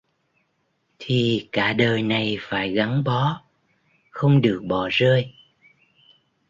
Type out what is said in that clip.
thì cả đời này phải gắn bó không được bỏ rơi